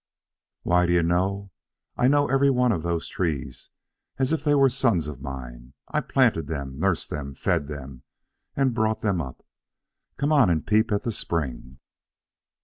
"Why, d'ye know, I know every one of those trees as if they were sons of mine. I planted them, nursed them, fed them, and brought them up. Come on and peep at the spring."